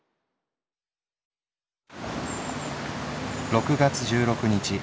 「６月１６日。